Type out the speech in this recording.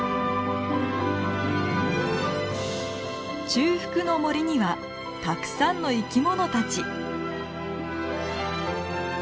中腹の森にはたくさんの生き物たち。